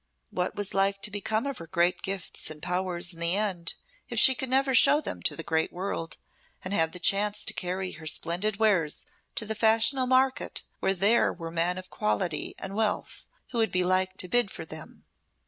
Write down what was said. What was like to become of her great gifts and powers in the end, if she could never show them to the great world, and have the chance to carry her splendid wares to the fashionable market where there were men of quality and wealth who would be like to bid for them.